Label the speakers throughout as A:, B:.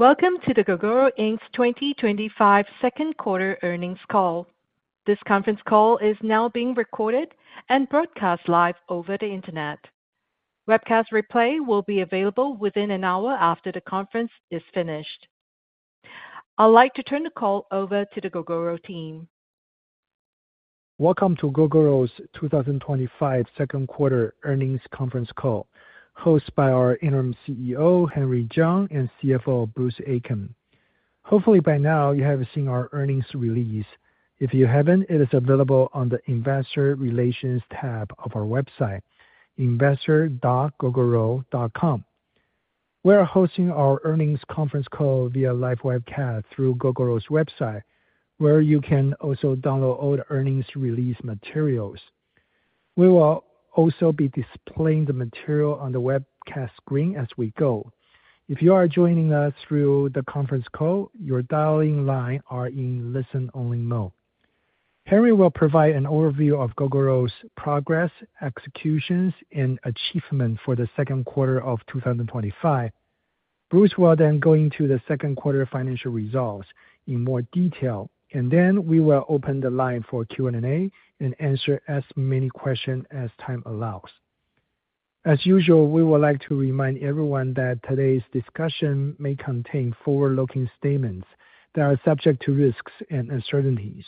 A: Welcome to Gogoro Inc.'s 2025 Second Quarter Earnings Call. This conference call is now being recorded and broadcast live over the internet. Webcast replay will be available within an hour after the conference is finished. I'd like to turn the call over to the Gogoro team. Welcome to Gogoro's 2025 Second Quarter Earnings Conference Call, hosted by our Interim CEO, Henry Chiang, and CFO, Bruce Aitken. Hopefully, by now, you have seen our earnings release. If you haven't, it is available on the Investor Relations tab of our website, investor.gogoro.com. We are hosting our earnings conference call via live webcast through Gogoro's website, where you can also download all the earnings release materials. We will also be displaying the material on the webcast screen as we go. If you are joining us through the conference call, your dial-in lines are in listen-only mode. Henry will provide an overview of Gogoro's progress, executions, and achievements for the second quarter of 2025. Bruce will then go into the second quarter financial results in more detail, and then we will open the line for Q&A and answer as many questions as time allows. As usual, we would like to remind everyone that today's discussion may contain forward-looking statements that are subject to risks and uncertainties,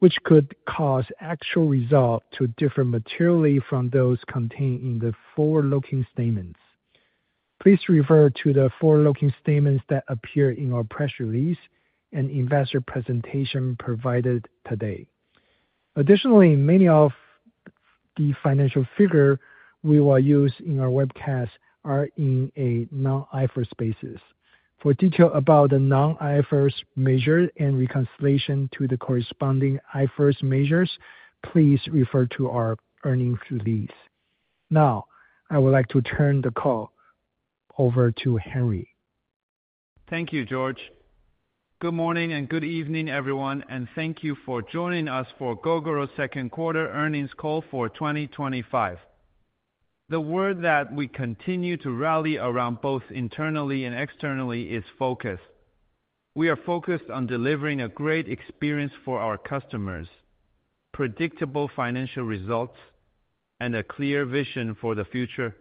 A: which could cause actual results to differ materially from those contained in the forward-looking statements. Please refer to the forward-looking statements that appear in our press release and investor presentation provided today. Additionally, many of the financial figures we will use in our webcast are on a non-IFRS basis. For details about the non-IFRS measures and reconciliation to the corresponding IFRS measures, please refer to our earnings release. Now, I would like to turn the call over to Henry.
B: Thank you, George. Good morning and good evening, everyone, and thank you for joining us for Gogoro's Second Quarter Earnings Call for 2025. The word that we continue to rally around both internally and externally is focus. We are focused on delivering a great experience for our customers, predictable financial results, and a clear vision for the future.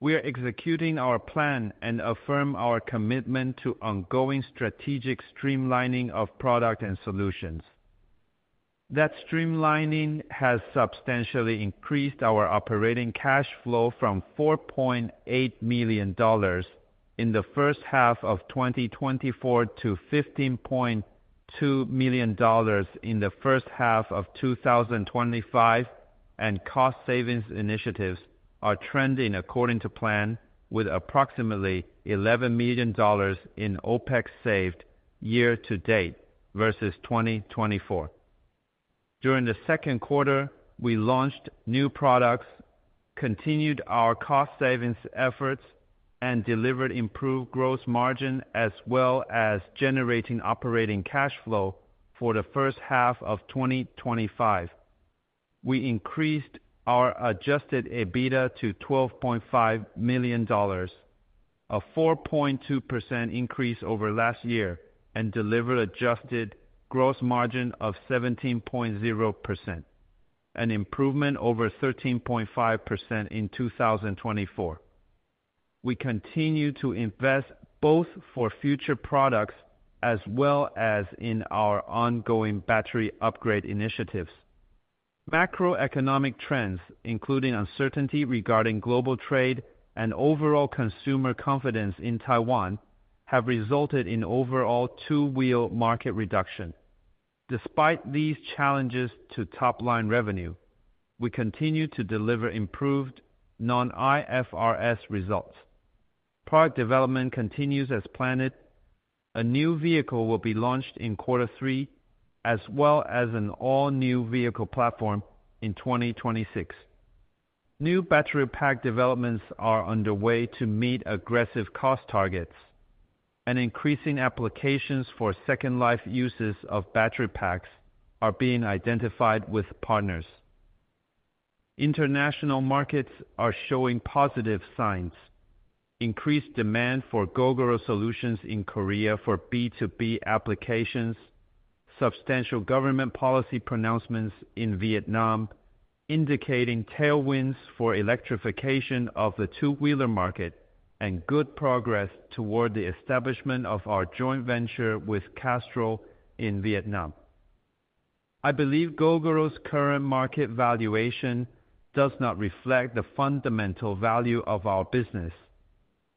B: We are executing our plan and affirm our commitment to ongoing strategic streamlining of product and solutions. That streamlining has substantially increased our operating cash flow from $4.8 million in the first-half of 2024 to $15.2 million in the first-half of 2025, and cost-savings initiatives are trending according to plan, with approximately $11 million in OpEx saved year to date versus 2024. During the second quarter, we launched new products, continued our cost-savings efforts, and delivered improved gross margin as well as generating operating cash flow for the first-half of 2025. We increased our adjusted EBITDA to $12.5 million, a 4.2% increase over last year, and delivered an adjusted gross margin of 17.0%, an improvement over 13.5% in 2024. We continue to invest both for future products as well as in our ongoing battery upgrade initiatives. Macroeconomic trends, including uncertainty regarding global trade and overall consumer confidence in Taiwan, have resulted in overall two-wheel market reduction. Despite these challenges to top-line revenue, we continue to deliver improved non-IFRS results. Product development continues as planned. A new vehicle will be launched in quarter three, as well as an all-new vehicle platform in 2026. New battery pack developments are underway to meet aggressive cost targets, and increasing applications for second-life uses of battery packs are being identified with partners. International markets are showing positive signs. Increased demand for Gogoro Solutions in Korea for B2B applications, substantial government policy pronouncements in Vietnam indicating tailwinds for electrification of the two-wheeler market, and good progress toward the establishment of our joint venture with Castrol in Vietnam. I believe Gogoro's current market valuation does not reflect the fundamental value of our business.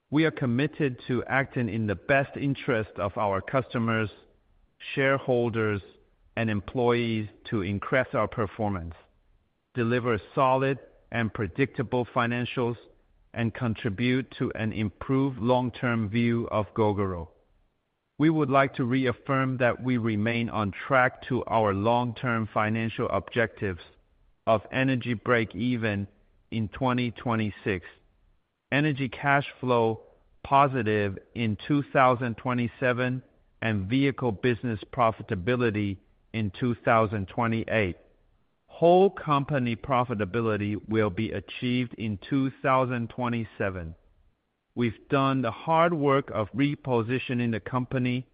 B: We are committed to acting in the best interests of our customers, shareholders, and employees to increase our performance, deliver solid and predictable financials, and contribute to an improved long-term view of Gogoro. We would like to reaffirm that we remain on track to our long-term financial objectives of energy break-even in 2026, energy cash flow positive in 2027, and vehicle business profitability in 2028. Whole company profitability will be achieved in 2027. We've done the hard work of repositioning the company,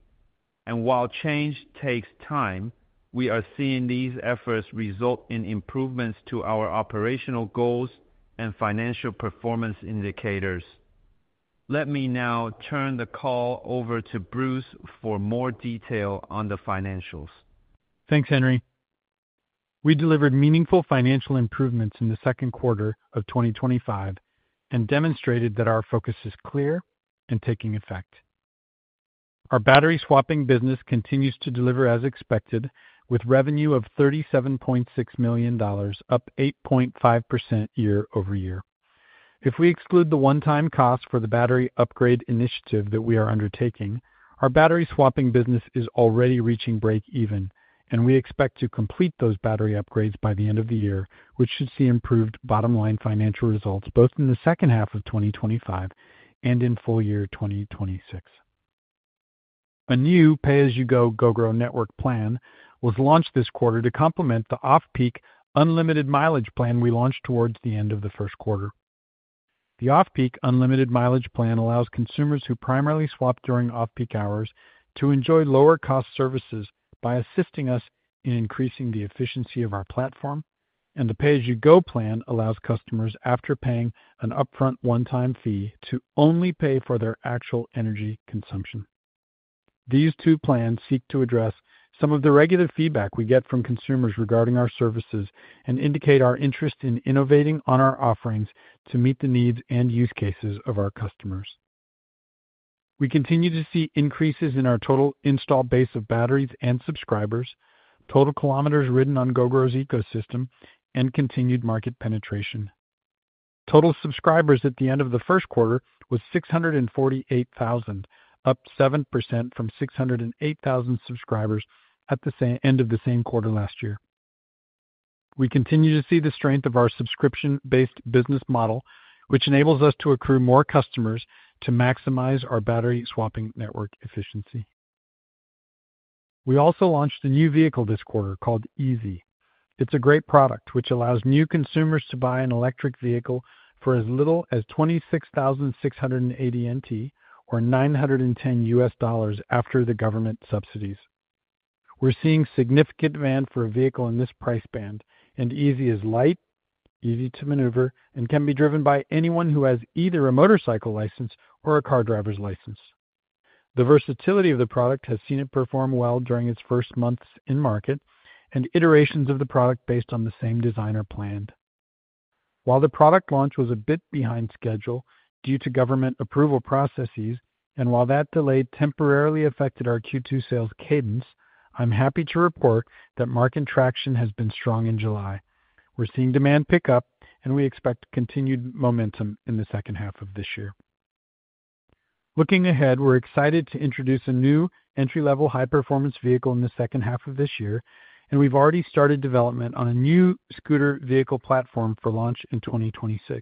B: and while change takes time, we are seeing these efforts result in improvements to our operational goals and financial performance indicators. Let me now turn the call over to Bruce for more detail on the financials.
C: Thanks, Henry. We delivered meaningful financial improvements in the second quarter of 2025 and demonstrated that our focus is clear and taking effect. Our battery swapping business continues to deliver as expected, with revenue of $37.6 million, up 8.5% year-over-year. If we exclude the one-time cost for the battery upgrade initiative that we are undertaking, our battery swapping business is already reaching break-even, and we expect to complete those battery upgrades by the end of the year, which should see improved bottom-line financial results both in the second half of 2025 and in full-year 2026. A new pay-as-you-go Gogoro Network plan was launched this quarter to complement the off-peak unlimited mileage plan we launched towards the end of the first quarter. The off-peak unlimited mileage plan allows consumers who primarily swap during off-peak hours to enjoy lower-cost services by assisting us in increasing the efficiency of our platform, and the pay-as-you-go plan allows customers, after paying an upfront one-time fee, to only pay for their actual energy consumption. These two plans seek to address some of the regular feedback we get from consumers regarding our services and indicate our interest in innovating on our offerings to meet the needs and use cases of our customers. We continue to see increases in our total install base of batteries and subscribers, total kilometers ridden on Gogoro's ecosystem, and continued market penetration. Total subscribers at the end of the first quarter was 648,000, up 7% from 608,000 subscribers at the end of the same quarter last year. We continue to see the strength of our subscription-based business model, which enables us to accrue more customers to maximize our battery swapping network efficiency. We also launched a new vehicle this quarter called EZ. It's a great product, which allows new consumers to buy an electric vehicle for as little as NT$26,680, or $910 after the government subsidies. We're seeing significant demand for a vehicle in this price band, and EZ is light, easy to maneuver, and can be driven by anyone who has either a motorcycle license or a car driver's license. The versatility of the product has seen it perform well during its first months in market, and iterations of the product based on the same design are planned. While the product launch was a bit behind schedule due to government approval processes, and while that delay temporarily affected our Q2 sales cadence, I'm happy to report that market traction has been strong in July. We're seeing demand pick up, and we expect continued momentum in the second-half of this year. Looking ahead, we're excited to introduce a new entry-level high-performance vehicle in the second-half of this year, and we've already started development on a new scooter vehicle platform for launch in 2026.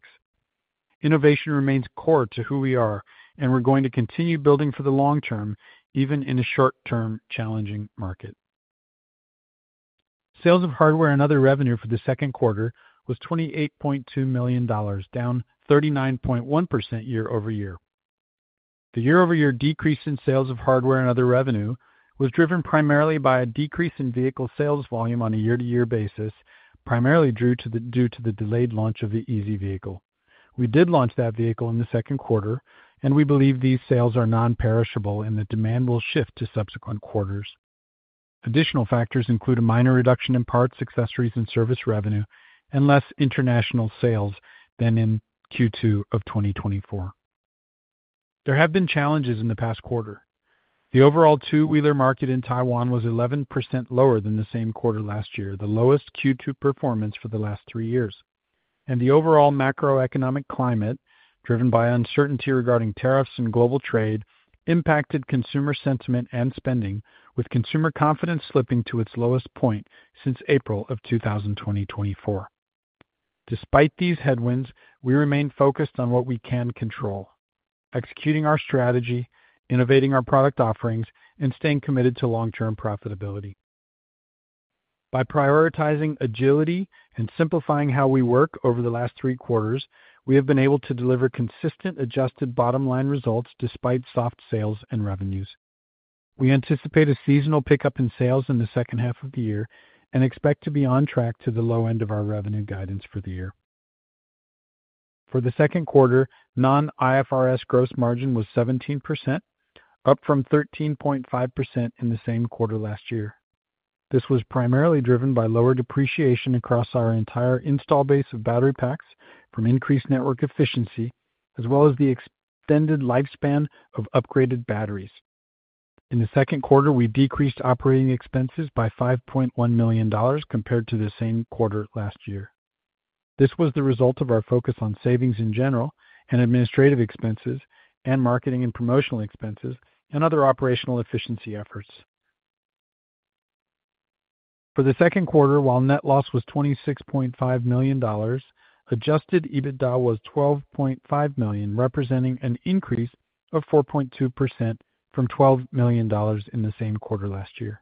C: Innovation remains core to who we are, and we're going to continue building for the long term, even in a short-term challenging market. Sales of hardware and other revenue for the second quarter was $28.2 million, down 39.1% year-over-year. The year-over-year decrease in sales of hardware and other revenue was driven primarily by a decrease in vehicle sales volume on a year-to-year basis, primarily due to the delayed launch of the EZ vehicle. We did launch that vehicle in the second quarter, and we believe these sales are non-perishable and that demand will shift to subsequent quarters. Additional factors include a minor reduction in parts, accessories, and service revenue, and less international sales than in Q2 of 2024. There have been challenges in the past quarter. The overall two-wheeler market in Taiwan was 11% lower than the same quarter last year, the lowest Q2 performance for the last three years. The overall macroeconomic climate, driven by uncertainty regarding tariffs and global trade, impacted consumer sentiment and spending, with consumer confidence slipping to its lowest point since April of 2024. Despite these headwinds, we remain focused on what we can control: executing our strategy, innovating our product offerings, and staying committed to long-term profitability. By prioritizing agility and simplifying how we work over the last three quarters, we have been able to deliver consistent adjusted bottom-line results despite soft sales and revenues. We anticipate a seasonal pickup in sales in the second-half of the year and expect to be on track to the low end of our revenue guidance for the year. For the second quarter, non-IFRS gross margin was 17%, up from 13.5% in the same quarter last year. This was primarily driven by lower depreciation across our entire install base of battery packs, from increased network efficiency as well as the extended lifespan of upgraded batteries. In the second quarter, we decreased operating expenses by $5.1 million compared to the same quarter last year. This was the result of our focus on savings in general and administrative expenses and marketing and promotional expenses and other operational efficiency efforts. For the second quarter, while net loss was $26.5 million, adjusted EBITDA was $12.5 million, representing an increase of 4.2% from $12 million in the same quarter last year.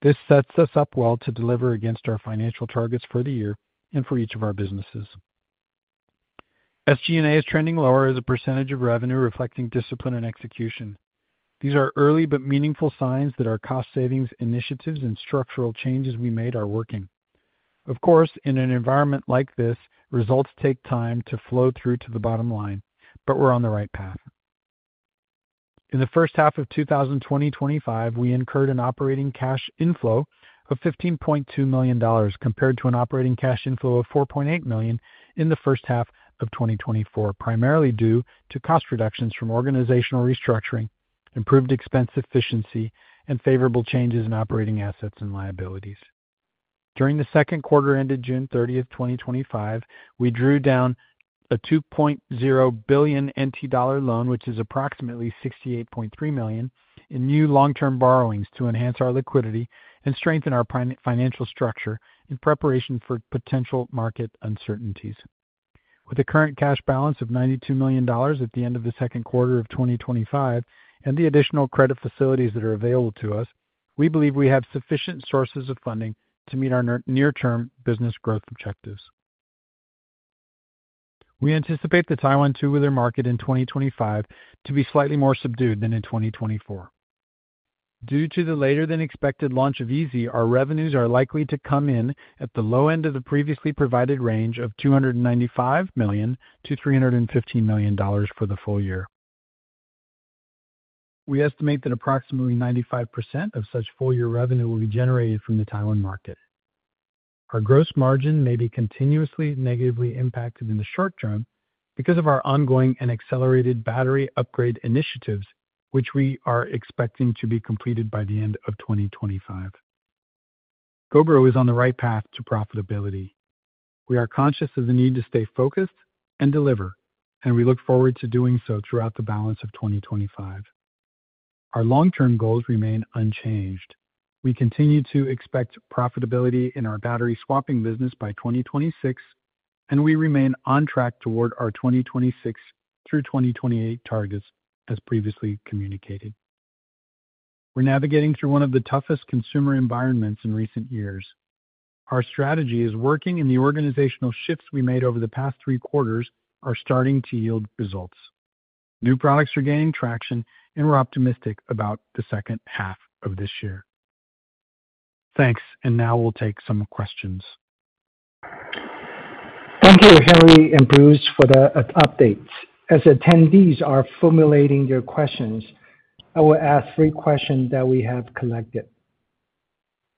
C: This sets us up well to deliver against our financial targets for the year and for each of our businesses. SG&A is trending lower as a percentage of revenue, reflecting discipline and execution. These are early but meaningful signs that our cost-savings initiatives and structural changes we made are working. Of course, in an environment like this, results take time to flow through to the bottom line, but we're on the right path. In the first-half of 2025, we incurred an operating cash inflow of $15.2 million compared to an operating cash inflow of $4.8 million in the first-half of 2024, primarily due to cost reductions from organizational restructuring, improved expense efficiency, and favorable changes in operating assets and liabilities. During the second quarter ended June 30, 2025, we drew down a NT$2.0 billion loan, which is approximately $68.3 million, in new long-term borrowings to enhance our liquidity and strengthen our financial structure in preparation for potential market uncertainties. With a current cash balance of $92 million at the end of the second quarter of 2025 and the additional credit facilities that are available to us, we believe we have sufficient sources of funding to meet our near-term business growth objectives. We anticipate the Taiwan two-wheeler market in 2025 to be slightly more subdued than in 2024. Due to the later-than-expected launch of EZ, our revenues are likely to come in at the low end of the previously provided range of $295 million-$315 million for the full year. We estimate that approximately 95% of such full-year revenue will be generated from the Taiwan market. Our gross margin may be continuously negatively impacted in the short term because of our ongoing and accelerated battery upgrade initiatives, which we are expecting to be completed by the end of 2025. Gogoro is on the right path to profitability. We are conscious of the need to stay focused and deliver, and we look forward to doing so throughout the balance of 2025. Our long-term goals remain unchanged. We continue to expect profitability in our battery swapping business by 2026, and we remain on track toward our 2026 through 2028 targets, as previously communicated. We're navigating through one of the toughest consumer environments in recent years. Our strategy is working, and the organizational shifts we made over the past three quarters are starting to yield results. New products are gaining traction, and we're optimistic about the second-half of this year. Thanks, and now we'll take some questions. Thank you, Henry and Bruce, for the updates. As attendees are formulating their questions, I will ask three questions that we have collected.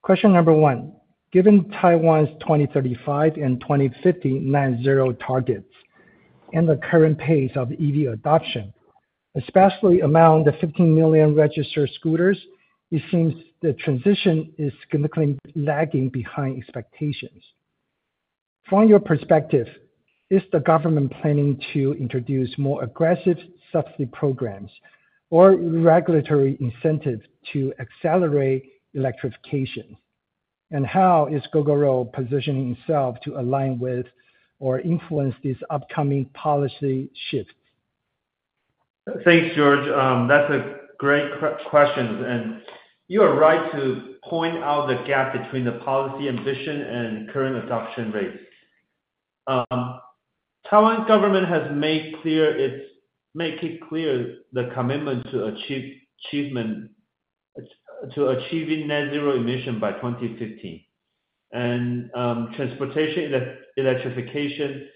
C: Question number one: given Taiwan's 2035 and 2050 net zero targets and the current pace of EV adoption, especially among the 15 million registered scooters, it seems the transition is significantly lagging behind expectations. From your perspective, is the government planning to introduce more aggressive subsidy programs or regulatory incentives to accelerate electrification? How is Gogoro positioning itself to align with or influence these upcoming policy shifts?
B: Thanks, George. That's a great question, and you are right to point out the gap between the policy ambition and current adoption rates. The Taiwan government has made clear the commitment to achieving net zero emissions by 2050, and transportation and electrification,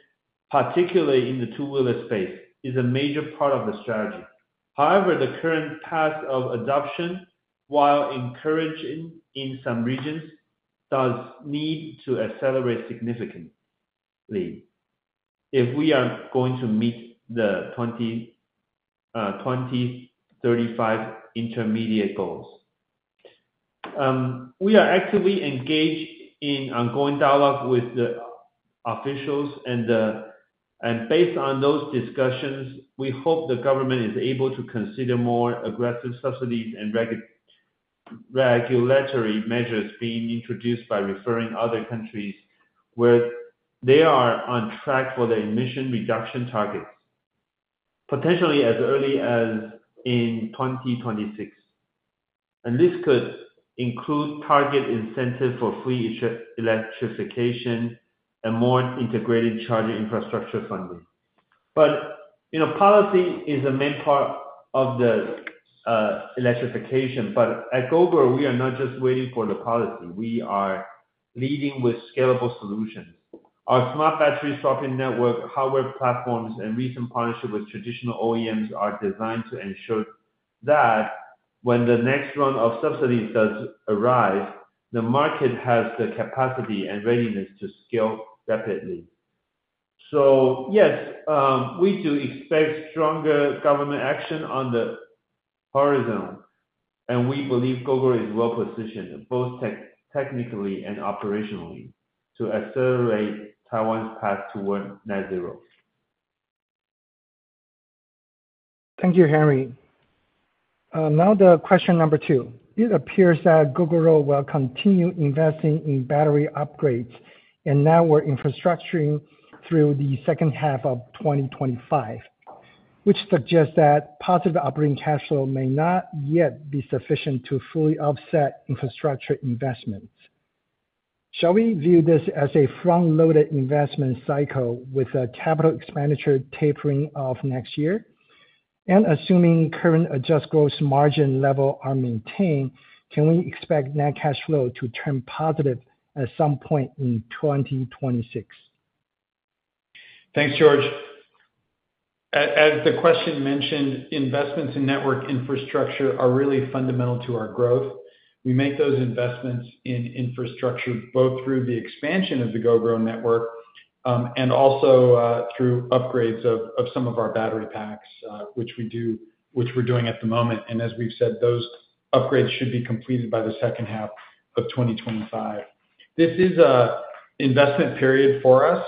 B: particularly in the two-wheeler space, is a major part of the strategy. However, the current path of adoption, while encouraging in some regions, does need to accelerate significantly if we are going to meet the 2035 intermediate goals. We are actively engaged in ongoing dialogue with the officials, and based on those discussions, we hope the government is able to consider more aggressive subsidies and regulatory measures being introduced by referring to other countries where they are on track for their emission reduction targets, potentially as early as in 2026. This could include target incentives for free electrification and more integrated charging infrastructure funding. Policy is the main part of the electrification, but at Gogoro, we are not just waiting for the policy. We are leading with scalable solutions. Our smart battery swapping network, hardware platforms, and recent partnerships with traditional OEMs are designed to ensure that when the next round of subsidies arrive, the market has the capacity and readiness to scale rapidly. Yes, we do expect stronger government action on the horizon, and we believe Gogoro is well-positioned, both technically and operationally, to accelerate Taiwan's path toward net zero. Thank you, Henry. Now, the question number two: it appears that Gogoro will continue investing in battery upgrades and network infrastructure through the second half of 2025, which suggests that positive operating cash flow may not yet be sufficient to fully offset infrastructure investments. Should we view this as a front-loaded investment cycle with capital expenditures tapering off next year? Assuming current adjusted gross margin levels are maintained, can we expect net cash flow to turn positive at some point in 2026?
C: Thanks, George. As the question mentioned, investments in network infrastructure are really fundamental to our growth. We make those investments in infrastructure both through the expansion of the Gogoro Network and also through upgrades of some of our battery packs, which we do, which we're doing at the moment. As we've said, those upgrades should be completed by the second-half of 2025. This is an investment period for us.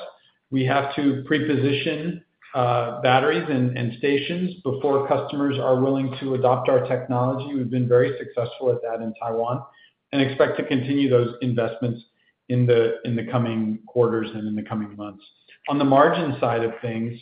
C: We have to pre-position batteries and stations before customers are willing to adopt our technology. We've been very successful at that in Taiwan and expect to continue those investments in the coming quarters and in the coming months. On the margin side of things,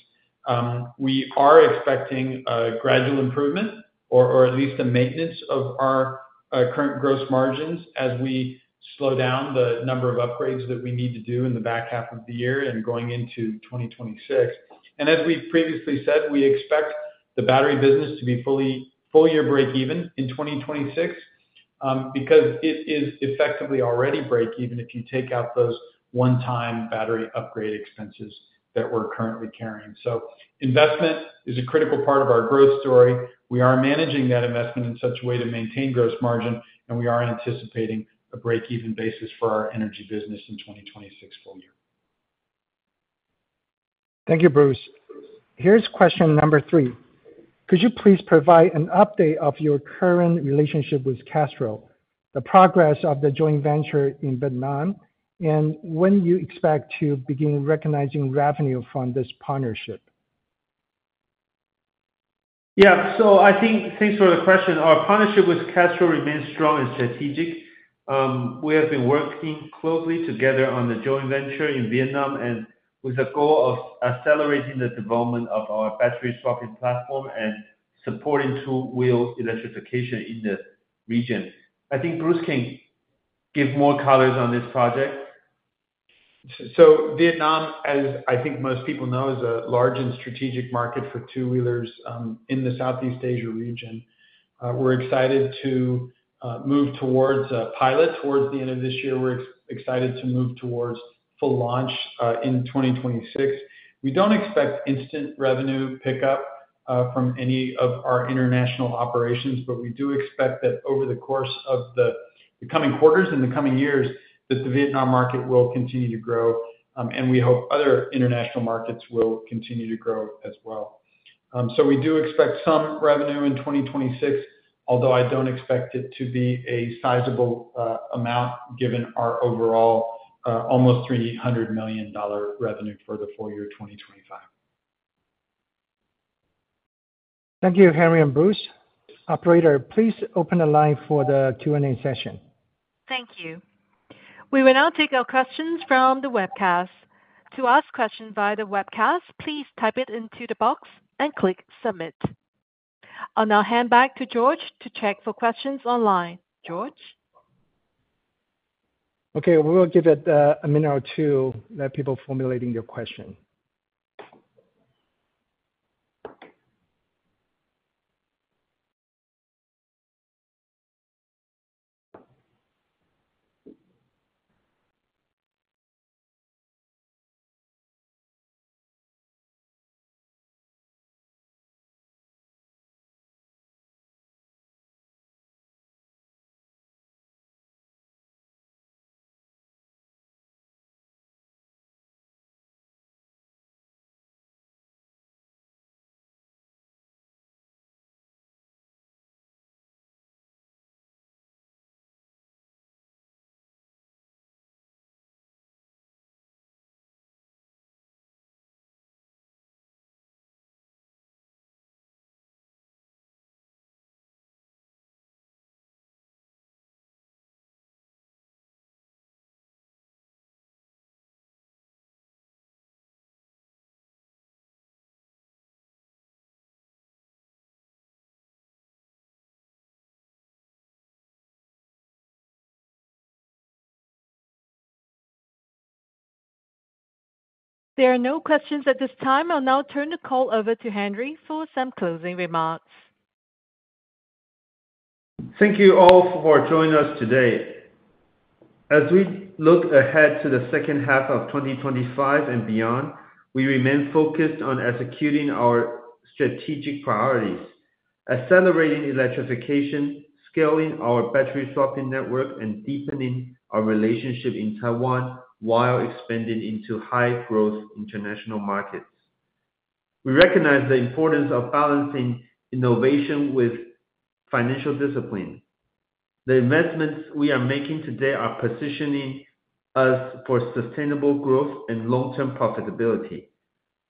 C: we are expecting gradual improvements, or at least a maintenance of our current gross margins as we slow down the number of upgrades that we need to do in the back half of the year and going into 2026. As we previously said, we expect the battery business to be fully full-year break-even in 2026 because it is effectively already break-even if you take out those one-time battery upgrade expenses that we're currently carrying. Investment is a critical part of our growth story. We are managing that investment in such a way to maintain gross margin, and we are anticipating a break-even basis for our energy business in 2026 full year. Thank you, Bruce. Here's question number three: could you please provide an update of your current relationship with Castrol, the progress of the joint venture in Vietnam, and when do you expect to begin recognizing revenue from this partnership?
B: Yeah, I think thanks for the question. Our partnership with Castrol remains strong and strategic. We have been working closely together on the joint venture in Vietnam with the goal of accelerating the development of our battery swapping platform and supporting two-wheel electrification in the region. I think Bruce can give more colors on this project.
C: Vietnam, as I think most people know, is a large and strategic market for two-wheelers in the Southeast Asia region. We're excited to move towards a pilot towards the end of this year and to move towards full launch in 2026. We don't expect instant revenue pickup from any of our international operations, but we do expect that over the course of the coming quarters and the coming years, the Vietnam market will continue to grow, and we hope other international markets will continue to grow as well. We do expect some revenue in 2026, although I don't expect it to be a sizable amount given our overall almost $300 million revenue for the full year 2025. Thank you, Henry and Bruce. Operator, please open the line for the Q&A session.
A: Thank you. We will now take our questions from the webcast. To ask a question via the webcast, please type it into the box and click submit. I'll now hand back to George to check for questions online. George? Okay, we'll give it a minute or two to let people formulate their questions. There are no questions at this time. I'll now turn the call over to Henry for some closing remarks.
B: Thank you all for joining us today. As we look ahead to the second-half of 2025 and beyond, we remain focused on executing our strategic priorities: accelerating electrification, scaling our battery swapping network, and deepening our relationship in Taiwan while expanding into high-growth international markets. We recognize the importance of balancing innovation with financial discipline. The investments we are making today are positioning us for sustainable growth and long-term profitability.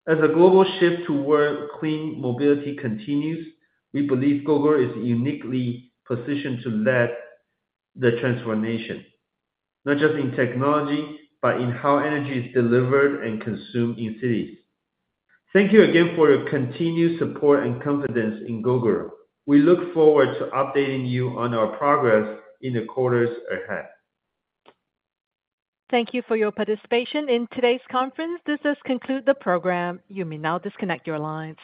B: As a global shift toward clean mobility continues, we believe Gogoro is uniquely positioned to lead the transformation, not just in technology, but in how energy is delivered and consumed in cities. Thank you again for your continued support and confidence in Gogoro. We look forward to updating you on our progress in the quarters ahead.
A: Thank you for your participation in today's conference. This concludes the program. You may now disconnect your lines.